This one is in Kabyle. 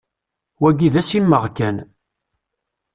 Wagi d assimeɣ kan.